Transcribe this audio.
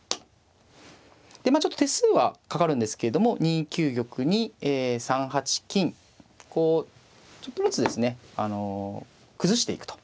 でまあちょっと手数はかかるんですけども２九玉に３八金こうちょっとずつですね崩していくと。